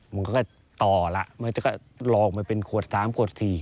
มันก็ต่อแล้วมันก็หลอกมาเป็นขวด๓ขวด๔